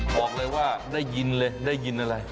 บอกเลยว่าได้ยินเลยได้ยินอะไร